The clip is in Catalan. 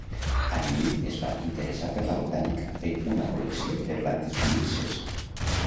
Allí es va interessar per la botànica fent una col·lecció de plantes suïsses.